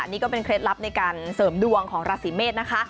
นี่ก็เป็นเคล็ดลับในการเสริมดวงของราศีเมษนะคะ